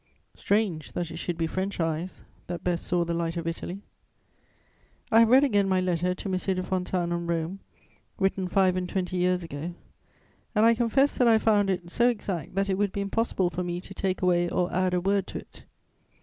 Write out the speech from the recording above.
Strange that it should be French eyes that best saw the light of Italy. [Sidenote: Vandalism in the Campagna.] I have read again my Letter to M. de Fontanes on Rome, written five and twenty years ago, and I confess that I have found it so exact that it would be impossible for me to take away or add a word to it.